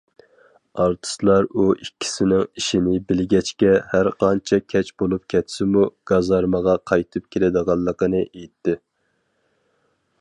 ئارتىسلار ئۇ ئىككىسىنىڭ ئىشىنى بىلگەچكە، ھەرقانچە كەچ بولۇپ كەتسىمۇ گازارمىغا قايتىپ كېلىدىغانلىقىنى ئېيتتى.